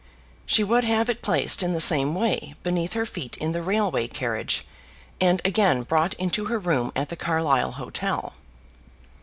She would have it placed in the same way beneath her feet in the railway carriage, and again brought into her room at the Carlisle hotel.